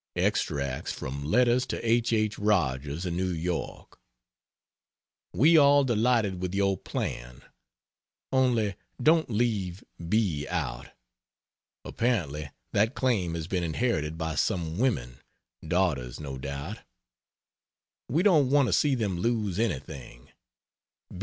Extracts from letters to H. H. Rogers, in New York: ... We all delighted with your plan. Only don't leave B out. Apparently that claim has been inherited by some women daughters, no doubt. We don't want to see them lose any thing.